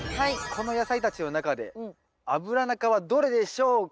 この野菜たちの中でアブラナ科はどれでしょうか？